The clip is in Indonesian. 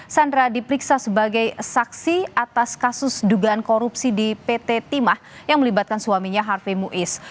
sandra diperiksa sebagai saksi atas kasus dugaan korupsi di pt timah yang melibatkan suaminya harvey muiz